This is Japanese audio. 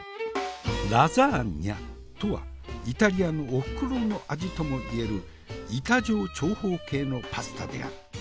ラザーニャとはイタリアのおふくろの味ともいえる板状長方形のパスタである。